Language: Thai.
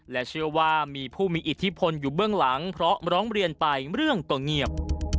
และเชื่อว่ามีผู้มีอิทธิพลอยู่เบื้องหลังเพราะร้องเรียนไปเรื่องก็เงียบ